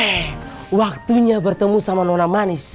eh waktunya bertemu sama nona manis